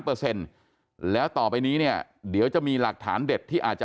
แล้วต่อไปนี้เนี่ยเดี๋ยวจะมีหลักฐานเด็ดที่อาจจะ